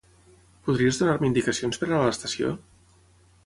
Podries donar-me indicacions per anar a l'estació?